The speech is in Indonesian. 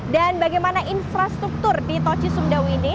dan bagaimana infrastruktur di toci sumdawu ini